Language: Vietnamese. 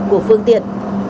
của phương tiện